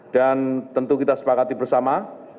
dan tentu kita sepakati bersama